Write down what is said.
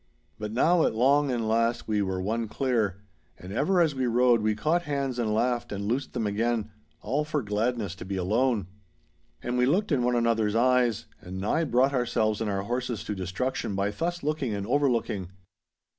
But now at long and last we were won clear, and ever as we rode we caught hands and laughed and loosed them again—all for gladness to be alone. And we looked in one another's eyes, and nigh brought ourselves and our horses to destruction by thus looking and overlooking.